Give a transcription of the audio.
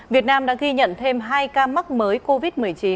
việt nam đã ghi nhận thêm hai ca mắc mới covid một mươi chín